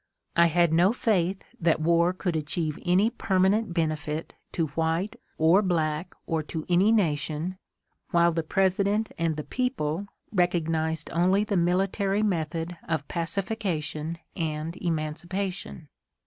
I had no faith that war could achieve any permanent benefit to white, or black, or to any nation, while the President and the people recognized only the military method of pacification and emancipation.